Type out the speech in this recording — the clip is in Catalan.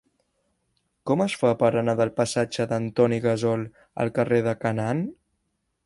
Com es fa per anar del passatge d'Antoni Gassol al carrer de Canaan?